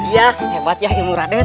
iya hebat ya ilmu raden